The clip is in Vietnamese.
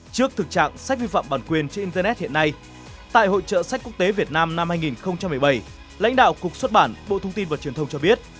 trước thực trạng sách vi phạm bản quyền trên internet hiện nay tại hội trợ sách quốc tế việt nam năm hai nghìn một mươi bảy lãnh đạo cục xuất bản bộ thông tin và truyền thông cho biết